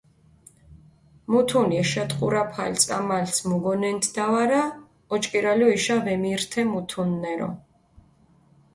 მუთუნი ეშატყურაფალი წამალს მუგონენთდა ვარა, ოჭკირალო იშა ვემირთე მუთუნნერო.